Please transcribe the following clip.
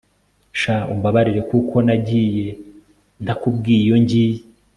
sha umbabarire kuko nagiye ntakubwiye iyo ngiye